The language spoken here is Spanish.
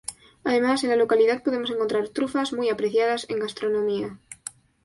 Además, en la localidad podemos encontrar trufas, muy apreciadas en gastronomía.